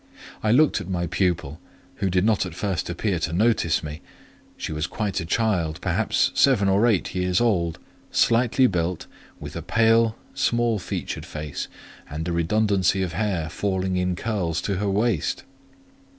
I looked at my pupil, who did not at first appear to notice me: she was quite a child, perhaps seven or eight years old, slightly built, with a pale, small featured face, and a redundancy of hair falling in curls to her waist.